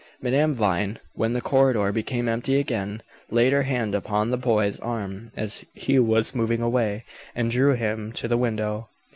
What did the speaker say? Madame Vine, when the corridor became empty again, laid her hand upon the boy's arm as he was moving away, and drew him to the window.